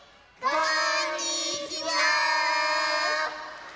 こんにちは！